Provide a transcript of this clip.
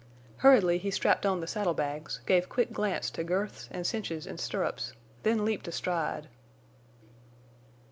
Hurriedly he strapped on the saddle bags, gave quick glance to girths and cinches and stirrups, then leaped astride.